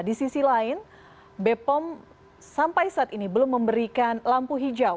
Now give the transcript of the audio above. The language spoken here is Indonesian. di sisi lain bepom sampai saat ini belum memberikan lampu hijau